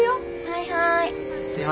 はいはい。